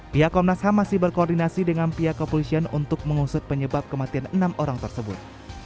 pihak komnas ham masih berkoordinasi dengan pihak kepolisian untuk mengusut penyebab kematian enam orang tersebut